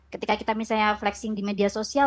ketika kita misalnya flexing di media sosial